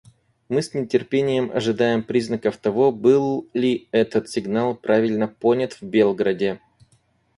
Мы с нетерпением ожидаем признаков того, был ли этот сигнал правильно понят в Белграде.